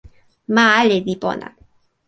ma ale li pona.